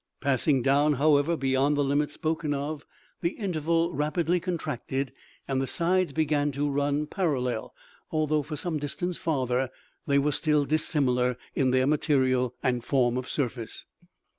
Passing down, however, beyond the limit spoken of, the interval rapidly contracted, and the sides began to run parallel, although, for some distance farther, they were still dissimilar in their material and form of surface.